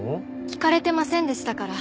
聞かれてませんでしたから。